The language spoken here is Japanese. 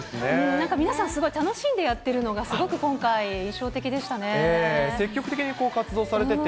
なんか皆さん、すごい楽しんでやってるのが、すごく今回、積極的に活動されてて。